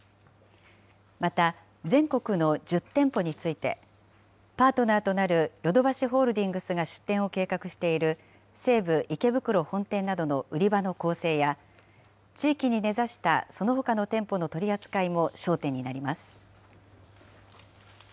また、全国の１０店舗について、パートナーとなるヨドバシホールディングスが出店を計画している西武池袋本店などの売り場の構成や、地域に根ざした、そのほかの店舗の取り扱いも焦点になります。